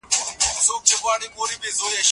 کورټیسول د فشار پر مهال ازادېږي.